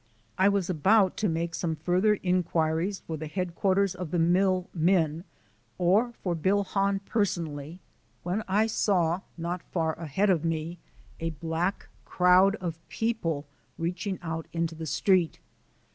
I was about to make some further inquiries for the headquarters of the mill men or for Bill Hahn personally, when I saw, not far ahead of me, a black crowd of people reaching out into the street.